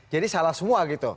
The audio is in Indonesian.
jadi salah semua gitu